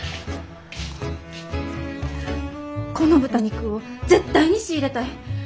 この豚肉を絶対に仕入れたい！